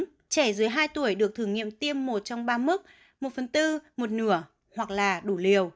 nhưng trẻ dưới hai tuổi được thử nghiệm tiêm một trong ba mức một phần tư một nửa hoặc là đủ liều